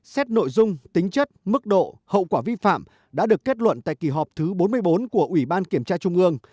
xét nội dung tính chất mức độ hậu quả vi phạm đã được kết luận tại kỳ họp thứ bốn mươi bốn của ủy ban kiểm tra trung ương